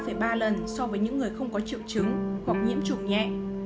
cao gấp ba ba lần so với những người không có triệu chứng hoặc nhiễm trùng nhẹ